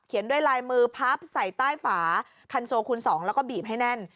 ด้วยลายมือพับใส่ใต้ฝาคันโซคูณ๒แล้วก็บีบให้แน่น